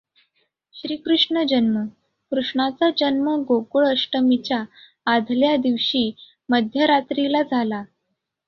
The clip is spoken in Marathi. श्रीकृष्ण जन्म, कृष्णाचा जन्म गोकुळ अष्टमीच्या आधल्या दिवशी मध्यरात्रीला झाला.